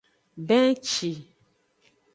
Benci.